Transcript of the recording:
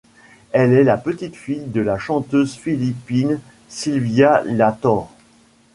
Elle est la petite-fille de la chanteuse philippine Sylvia La Torre.